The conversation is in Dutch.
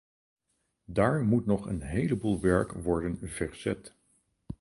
Daar moet nog een heleboel werk worden verzet.